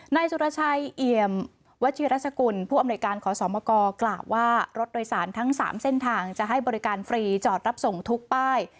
นายสุรชัยเอี่ยมวัชิรัชกุลผู้อำนวยการขอสมกกล่าวว่ารถโดยสารทั้ง๓เส้นทางจะให้บริการฟรีจอดรับส่งทุกป้าย